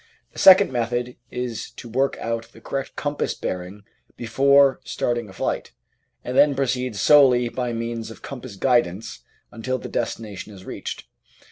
The second method is to work out the correct compass bearing before starting a flight, and then proceed solely by means of compass guidance until the destina tion is reached.